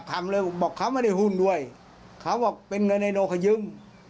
เขาบอกเป็นเงินไอ้โนคยึม